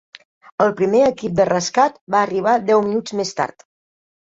El primer equip de rescat va arribar deu minuts més tard.